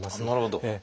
なるほど。